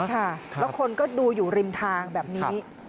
ค่ะแล้วคนก็ดูอยู่ริมทางแบบนี้